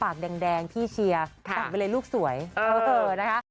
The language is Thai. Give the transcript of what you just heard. แอบคุณแม่แต่งหน้าด้วยนะจ๊ะ